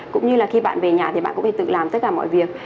cũng như là khi bạn về nhà thì bạn cũng có thể tự làm tất cả mọi việc